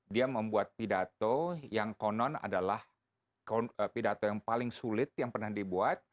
dia membuat pidato yang konon adalah pidato yang paling sulit yang pernah dibuat